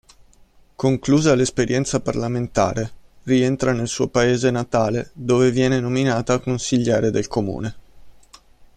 Conclusa l'esperienza parlamentare, rientra nel suo paese natale dove viene nominata consigliere del comune.